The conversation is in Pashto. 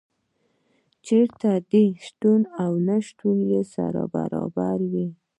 چېرته چي دي شتون او نه شتون سره برابر وي